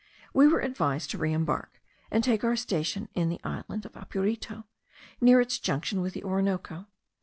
We were advised to re embark, and take our station in the island of Apurito, near its junction with the Orinoco.